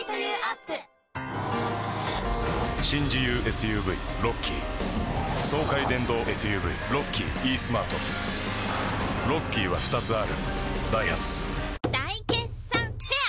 ＳＵＶロッキー爽快電動ＳＵＶロッキーイースマートロッキーは２つあるダイハツ大決算フェア